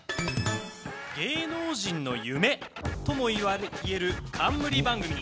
芸能人の夢ともいえる冠番組。